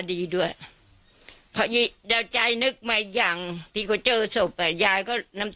ดีด้วยเดี๋ยวใจนึกมาอย่างที่ก็เจอศพอ่ะยายก็น้ำ